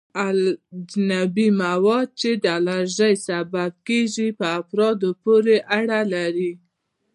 اجنبي مواد چې د الرژي سبب کیږي په افرادو پورې اړه لري.